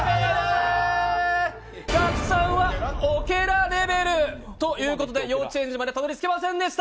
オケラレベル！ということで、幼稚園児までたどり着けませんでした。